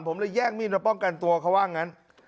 ผมเลยแย่งมีดมาป้องกันตัวเขาว่างั้น